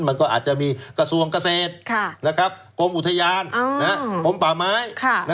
มันก็อาจจะมีกระทรวงเกษตรกรมอุทยานกรมป่าไม้